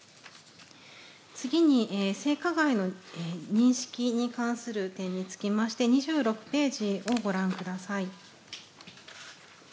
次に性加害の認識に関する点につきまして、２６ページをご覧ください。